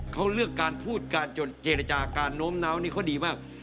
เขาเลือกการพูดการจนเจรจาการโน้มน้าวนี่เขาดีมาก